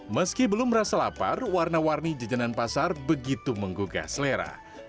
meski belum merasa lapar warna warni jajanan pasar begitu menggugah selera